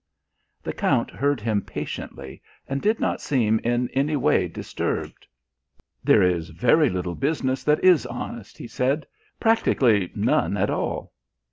The Count heard him patiently, but did not seem in any way disturbed. "There is very little business that is honest," he said; "practically none at all.